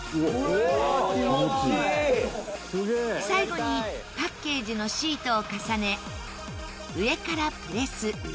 最後にパッケージのシートを重ね上からプレス。